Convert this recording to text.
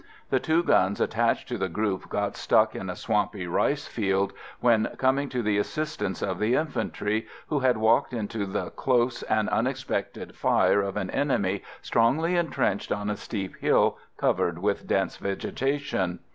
The two guns attached to the group got stuck in a swampy rice field when coming to the assistance of the infantry, who had walked into the close and unexpected fire of an enemy strongly entrenched on a steep hill covered with dense vegetation.